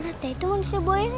gak ada itu manusia buaya ini